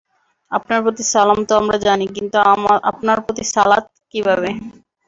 আপনার প্রতি সালাম তো আমরা জানি, কিন্তু আপনার প্রতি সালাত কীভাবে?